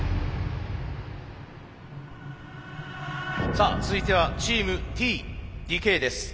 さあ続いてはチームＴ・ＤＫです。